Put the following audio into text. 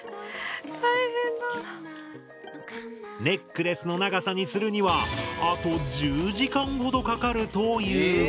ネックレスの長さにするにはあと１０時間ほどかかるという。え！